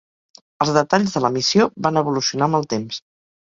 Els detalls de la missió van evolucionar amb el temps.